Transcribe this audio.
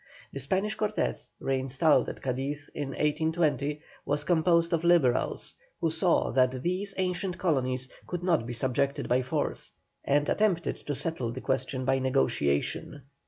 The Spanish Cortes, re installed at Cadiz in 1820, was composed of Liberals, who saw that these ancient colonies could not be subjected by force, and attempted to settle the question by negotiation.